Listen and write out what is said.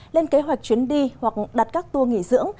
lên kế hoạch chuyến đi hoặc đặt các tour nghỉ dưỡng